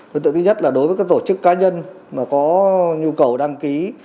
đối tượng thứ nhất là đối với các tổ chức cá nhân mà có nhu cầu đăng ký